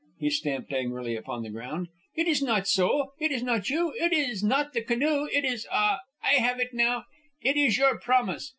He stamped angrily upon the ground. "It is not so. It is not you. It is not the canoe. It is ah! I have it now! It is your promise.